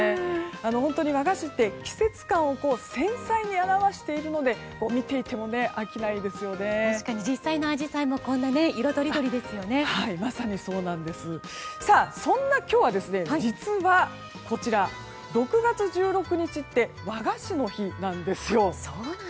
本当和菓子って季節感を繊細に表しているので確かに実際のアジサイもそんな今日は実は６月１６日って和菓子の日なんですよ。